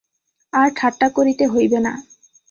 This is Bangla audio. আর ঠাট্টা করিতে হইবে না।